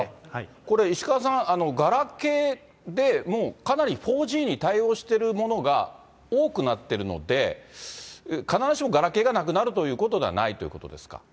これ、石川さん、ガラケーでも、かなり４Ｇに対応しているものが多くなっているので、必ずしもガラケーがなくなるということではないということですか。